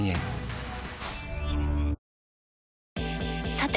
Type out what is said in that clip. さて！